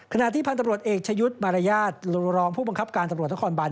ขณะที่พันธุ์ตำรวจเอกชยุทธ์มารยาทรุรองค์ผู้บังคับการตำรวจนครบัน